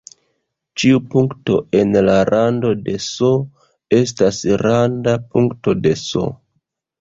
Ĉiu punkto en la rando de "S" estas randa punkto de "S".